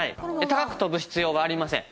高く跳ぶ必要はありません。